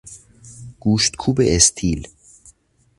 گوشت کوب استیل